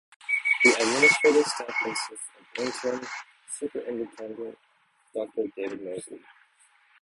The administrative staff consists of Interim Superintendent Doctor David Moseley.